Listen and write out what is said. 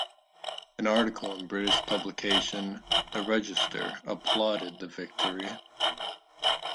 An article in British publication "The Register" applauded the victory.